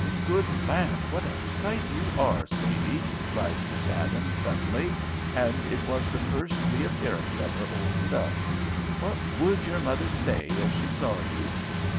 "Good land, what a sight you are, Sadie!" cried Miss Adams, suddenly, and it was the first reappearance of her old self. "What would your mother say if she saw you?